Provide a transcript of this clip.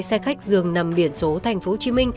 xe khách dường nằm biển số tp hcm